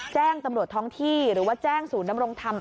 แจ้งตำรวจท้องที่หรือว่าแจ้งศูนย์นำรงธรรม